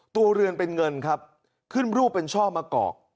ตัวเรือนเป็นเงินครับขึ้นรูปเป็นช่อมะกอก